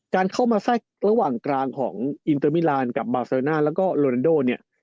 การเข้ามาแทรกระหว่างกลางของอินเตอร์มิลานกับบาเซอร์น่าแล้วก็โรนันโดเนี่ย